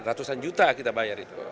ratusan juta kita bayar itu